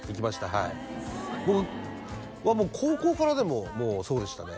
はい僕はもう高校からでもそうでしたね